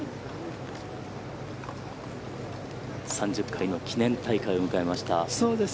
３０回の記念大会を迎えました。